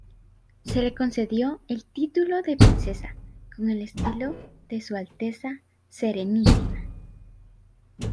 Se le concedió el título de Princesa con el estilo de Su Alteza Serenísima.